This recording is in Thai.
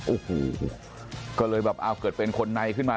โอ้โหก็เลยแบบเอาเกิดเป็นคนในขึ้นมา